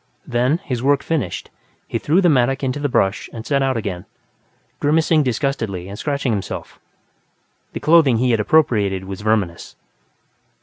Then, his work finished, he threw the mattock into the brush and set out again, grimacing disgustedly and scratching himself. The clothing he had appropriated was verminous.